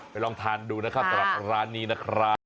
ไปลองทานดูนะครับร้านนี้นะครับ